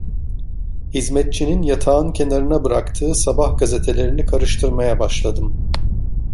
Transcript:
Hizmetçinin yatağın kenarına bıraktığı sabah gazetelerini karıştırmaya başladım.